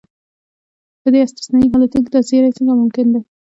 په داسې استثنایي حالتو کې دا زیری څنګه ممکن دی.